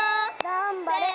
がんばれ！